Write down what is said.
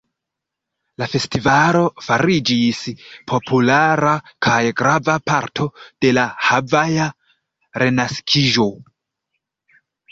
La festivalo fariĝis populara kaj grava parto de la havaja renaskiĝo.